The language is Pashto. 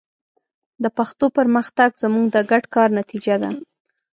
د پښتو پرمختګ زموږ د ګډ کار نتیجه ده.